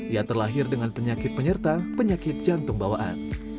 ia terlahir dengan penyakit penyerta penyakit jantung bawaan